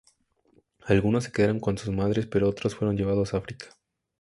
Algunos se quedaron con sus madres, pero otros fueron llevados a África.